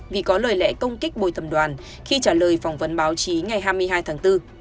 vì có lời lẽ công kích bồi thầm đoàn khi trả lời phỏng vấn báo chí ngày hai mươi hai tháng bốn